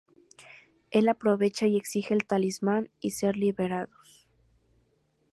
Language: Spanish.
Él aprovecha y exige el Talismán, y ser liberados.